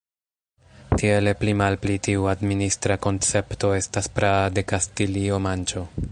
Tiele pli malpli tiu administra koncepto estas praa de Kastilio-Manĉo.